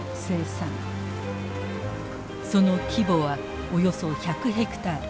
その規模はおよそ１００ヘクタール。